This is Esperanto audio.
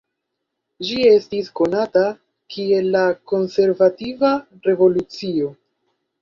Ĝi estis konata kiel la Konservativa Revolucio.